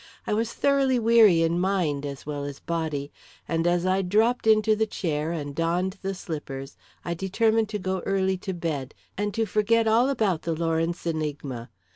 I was thoroughly weary in mind as well as body, and as I dropped into the chair and donned the slippers, I determined to go early to bed, and to forget all about the Lawrence enigma.